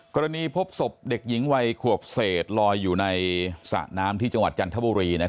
พบศพเด็กหญิงวัยขวบเศษลอยอยู่ในสระน้ำที่จังหวัดจันทบุรี